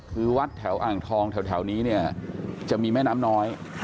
คือวัดแถวอ่างทองแถวนี้เนี่ยจะมีแม่น้ำน้อย